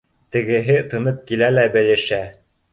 Тегеһе тынып килә лә белешә: